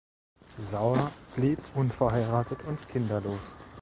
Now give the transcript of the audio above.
Saur blieb unverheiratet und kinderlos.